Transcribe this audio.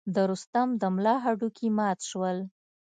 د رستم د ملا هډوکي مات شول.